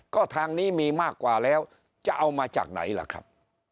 ก็ทางนี้มีมากกว่าแล้วจะเอามาจากไหนล่ะครับ